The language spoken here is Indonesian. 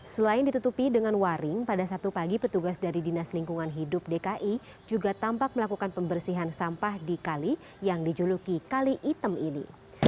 selain ditutupi dengan waring pada sabtu pagi petugas dari dinas lingkungan hidup dki juga tampak melakukan pembersihan sampah di kali yang dijuluki kali item ini